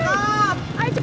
keserte sama cewek itu cak